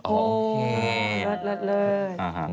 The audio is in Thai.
โอ้โหเลิศ